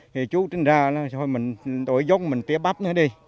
thì chú tính ra thôi mình đổi giống mình tía bắp nữa đi